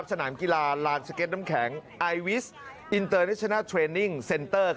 สนามกีฬาลานสเก็ตน้ำแข็งไอวิสอินเตอร์เนชนะเทรนนิ่งเซ็นเตอร์